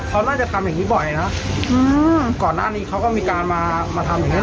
เขาน่าจะทำอย่างงี้บ่อยนะอืมก่อนหน้านี้เขาก็มีการมามาทำอย่างเงี